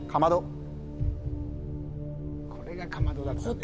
これがかまどだったんだよね